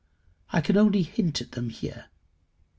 I can only hint at them here.